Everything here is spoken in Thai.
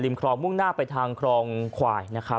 คลองมุ่งหน้าไปทางครองควาย